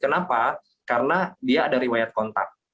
kenapa karena dia ada riwayat kontak